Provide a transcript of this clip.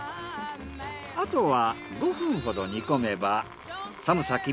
あとは５分ほど煮込めば寒さ